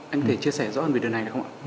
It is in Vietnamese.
anh có thể chia sẻ rõ hơn về đợt này được không ạ